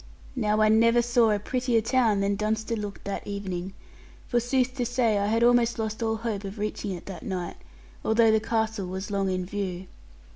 Now I never saw a prettier town than Dunster looked that evening; for sooth to say, I had almost lost all hope of reaching it that night, although the castle was long in view.